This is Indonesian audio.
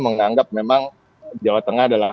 menganggap memang jawa tengah adalah